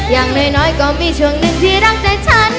อย่างน้อยก็มีช่วงหนึ่งที่รักใจฉัน